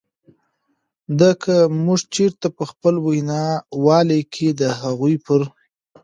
د که مونږ چرته په خپلې وینا والۍ کې د هغوئ پر